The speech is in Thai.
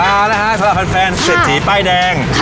เอาละฮะสวัสดีครับแฟนเศรษฐีป้ายแดง